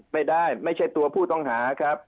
ไม่ได้ไม่ใช่ตัวผู้ต้องหาครับ